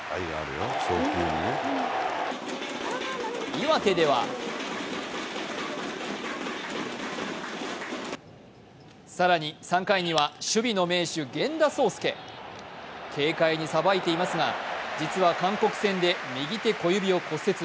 岩手では更に、３回には守備の名手・源田壮亮軽快にさばいていますが、実は韓国戦で右手小指を骨折。